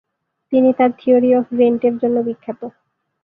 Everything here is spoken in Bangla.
তিনি তার থিওরি অফ রেন্ট-এর জন্য বিখ্যাত।